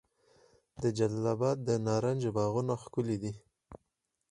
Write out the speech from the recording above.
د جلال اباد د نارنج باغونه ښکلي دي.